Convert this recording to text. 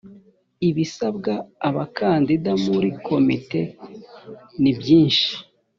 ibisabwa abakandida muri komite nibyishi.